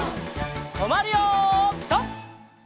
とまるよピタ！